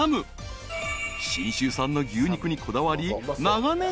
［信州産の牛肉にこだわり長年